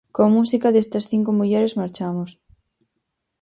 Coa música destas cinco mulleres marchamos.